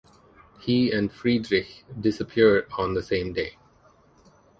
He and Friedrich disappear on the same day.